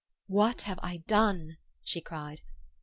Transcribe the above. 4 ' What have I done ?'' she cried.